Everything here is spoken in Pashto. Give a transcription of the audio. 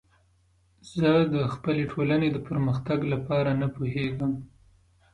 زه د خپلې ټولنې د پرمختګ لپاره نه پوهیږم.